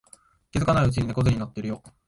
気づかないうちに猫背になってるよ